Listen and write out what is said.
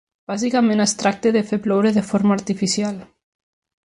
Bàsicament es tracta de fer ploure de forma artificial.